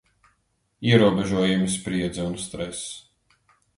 Ierobežojumi, spriedze un stress.